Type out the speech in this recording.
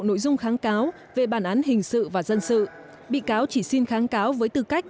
nội dung kháng cáo về bản án hình sự và dân sự bị cáo chỉ xin kháng cáo với tư cách